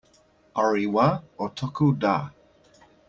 Ore wa Otoko Da!